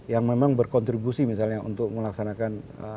yang memang berkontribusi misalnya untuk melaksanakan